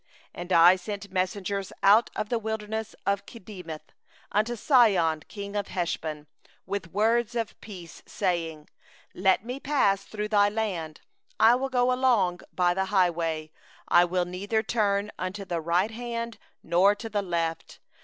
26And I sent messengers out of the wilderness of Kedemoth unto Sihon king of Heshbon with words of peace, saying: 27'Let me pass through thy land; I will go along by the highway, I will neither turn unto the right hand nor to the left.